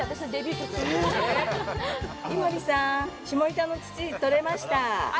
井森さん、下仁田の土とれました！